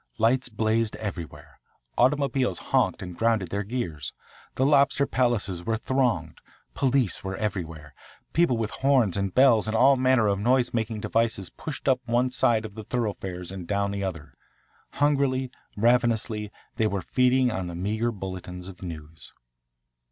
Lights blazed everywhere. Automobiles honked and ground their gears. The lobster palaces were thronged. Police were everywhere. People with horns and bells and all manner of noise making devices pushed up one side of the thoroughfares and down the other. Hungrily, ravenously they were feeding or the meagre bulletins of news.